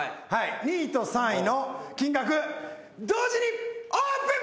２位と３位の金額同時にオープン！